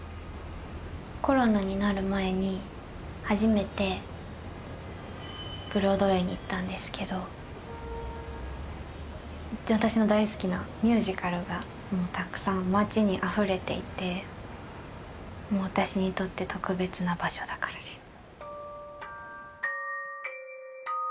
コロナになる前に初めてブロードウェイに行ったんですけどめっちゃ私の大好きなミュージカルがもうたくさん街にあふれていてもう私にとって特別な場所だからです。